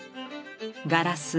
ガラス